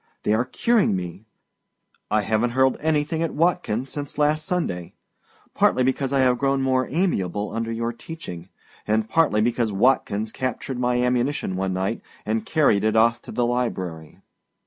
They are curing me. I havenât hurled anything at Watkins since last Sunday, partly because I have grown more amiable under your teaching, and partly because Watkins captured my ammunition one night, and carried it off to the library.